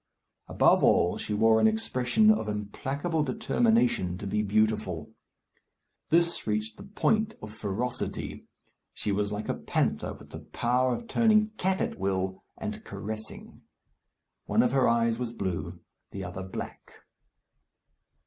Above all, she wore an expression of implacable determination to be beautiful. This reached the point of ferocity. She was like a panther, with the power of turning cat at will, and caressing. One of her eyes was blue, the other black.